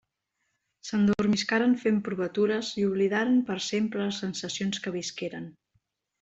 S'endormiscaren fent provatures i oblidaren per sempre les sensacions que visqueren.